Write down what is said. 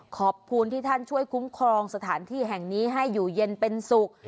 ขอบคุณที่ท่านช่วยคุ้มครองสถานที่แห่งนี้ให้อยู่เย็นเป็นสุข